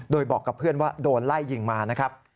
โดยบอกกับเพื่อนว่าโดนไล่ยิงมานะครับ